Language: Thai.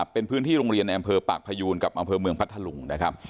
เป็นพื้นที่โรงเรียนแอมเภอปากพยูนกับแอมเภอเมืองพัทธาลุง